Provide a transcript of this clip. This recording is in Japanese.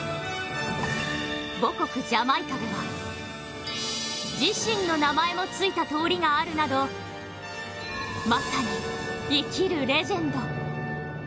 母国ジャマイカでは自身の名前もついた通りがあるなど、まさに生きるレジェンド。